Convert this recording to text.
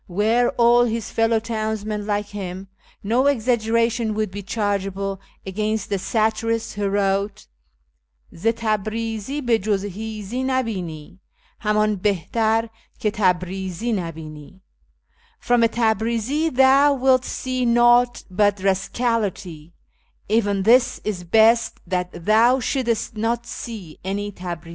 Were all hisj fellow townsmen like him, no exaggeration would be chargeable] asainst the satirist who wrote — "O " Zi Tabrizi hi juz Jiizi na hini : Hnman bihtar, hi Tabrizi na bini." " From a Tabrizi thou wilt see naught but rascality : Even this is best that thou should'st not see any Tabrizi.